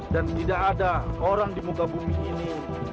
tidak ada orang di muka bumi ini